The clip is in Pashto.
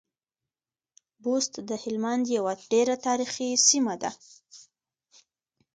بُست د هلمند يوه ډېره تاريخي سیمه ده.